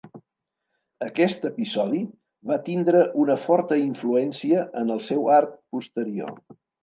Aquest episodi va tindre una forta influència en el seu art posterior.